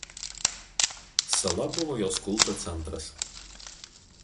Sala buvo jos kulto centras.